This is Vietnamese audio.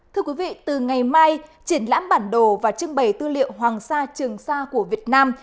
thưa quý vị từ ngày mai triển lãm bản đồ và trưng bày tư liệu hoàng sa trường sa của việt nam